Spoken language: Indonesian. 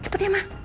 cepet ya ma